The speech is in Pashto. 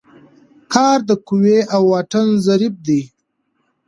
کار د قوې او واټن ضرب دی.